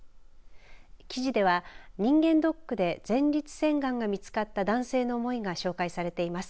記事では、人間ドックで前立腺がんが見つかった男性の思いが紹介されています。